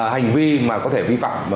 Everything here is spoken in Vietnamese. hành vi mà có thể vi phạm